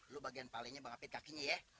lo bagian palingnya bengapin kakinya ya